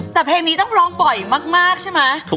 แต่เพลงนี้ต้องร้องบ่อยมากใช่ไหม